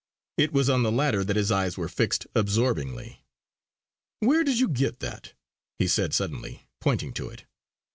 It was on the latter that his eyes were fixed absorbingly. "Where did you get that?" he said suddenly, pointing to it.